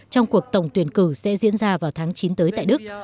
trong cuộc tổng tuyển cử sẽ diễn ra vào tháng chín tới tại đức